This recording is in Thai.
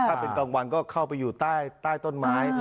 ถ้าเป็นกลางวันก็เข้าไปอยู่ใต้ต้นไม้